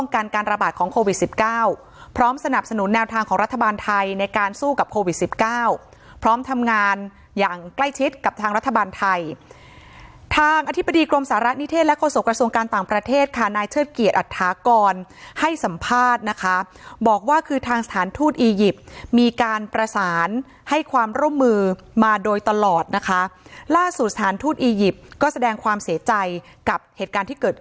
การสู้กับโควิด๑๙พร้อมทำงานอย่างใกล้ชิดกับทางรัฐบาลไทยทางอธิบดีกรมสาระนิเทศและจุดสูงการต่างประเทศขณะเฉิดเกียร์อรรทากรให้สัมภาษณ์นะคะบอกว่าคือทางสถานทูตอียิปต์มีการประสานให้ความร่วมมือมาโดยตลอดนะคะล่าสี่สถานทูตอียิปต์ก็แสดงความเสียใจกับเหตุการณ์ที่เกิ